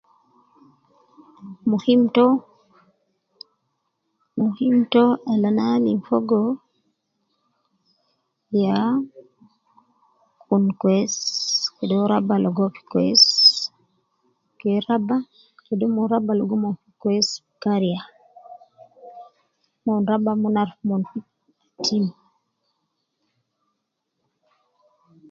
Muhim to muhim to al ne alim fogo ya kun kwesi kede uwo raba ligo uwo fi kwesi, ke raba mon ke raba kwesi fi kariya, mon raba mon aruf mon fi team